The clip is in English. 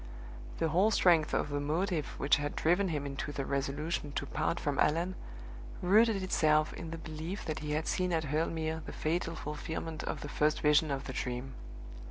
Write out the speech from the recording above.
The whole strength of the motive which had driven him into the resolution to part from Allan rooted itself in the belief that he had seen at Hurle Mere the fatal fulfillment of the first Vision of the Dream.